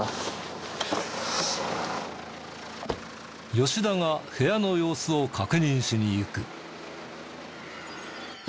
吉田が部屋の様子を確認しに行く。